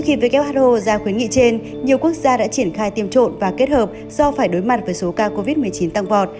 khi who ra khuyến nghị trên nhiều quốc gia đã triển khai tiêm trộm và kết hợp do phải đối mặt với số ca covid một mươi chín tăng vọt